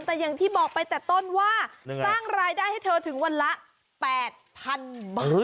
แต่อย่างที่บอกไปแต่ต้นว่าสร้างรายได้ให้เธอถึงวันละ๘๐๐๐บาท